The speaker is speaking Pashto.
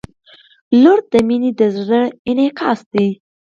• لور د مینې د زړه انعکاس دی.